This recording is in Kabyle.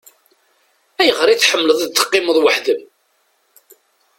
Ayɣer i tḥemmleḍ ad teqqimeḍ weḥd-m?